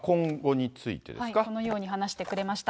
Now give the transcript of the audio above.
このように話してくれました。